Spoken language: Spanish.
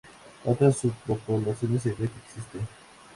Otras subpoblaciones se cree que existe.